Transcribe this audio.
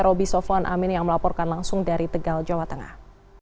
roby sofwan amin yang melaporkan langsung dari tegal jawa tengah